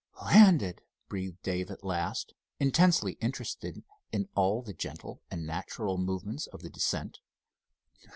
"Landed," breathed Dave at last, intensely interested in all the gentle and natural movements of the descent.